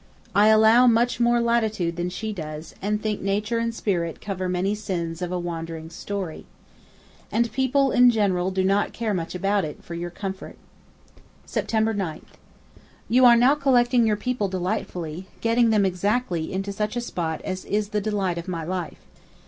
I allow much more latitude than she does, and think nature and spirit cover many sins of a wandering story. And people in general do not care much about it, for your comfort ...' 'Sept. 9. 'You are now collecting your people delightfully, getting them exactly into such a spot as is the delight of my life.